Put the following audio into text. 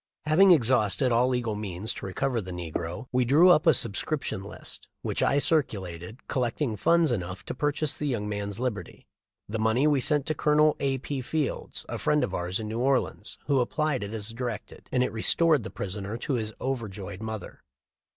Having ex hausted all legal means to recover the negro we dropped our relation as lawyers to the case. Lincoln drew up a subscription list, which 1 circulated, col lecting funds enough to purchase the young man's liberty. The money we sent to Col. A. P. Fields, a friend of ours in New Orleans, who applied it as directed, and it restored the prisoner to his over joyed mother.